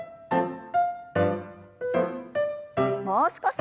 もう少し。